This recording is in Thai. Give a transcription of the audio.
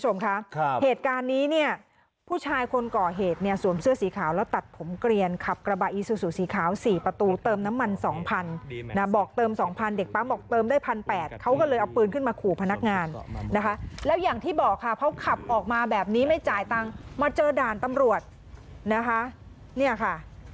น่ะบอกเติมสองพันเด็กปั๊มบอกเติมได้พันแปดเขาก็เลยเอาปืนขึ้นมาขู่พนักงานนะคะแล้วอย่างที่บอกค่ะเขาขับออกมาแบบนี้ไม่จ่ายตังค์มาเจอด่านตำรวจนะคะเนี่ยค่ะ